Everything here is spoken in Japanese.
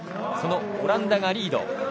そのオランダがリード。